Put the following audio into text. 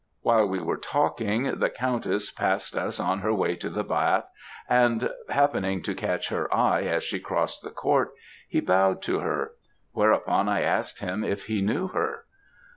While we were talking, the Countess passed us on her way to the bath; and, happening to catch her eye as she crossed the court, he bowed to her; whereupon I asked him if he knew her?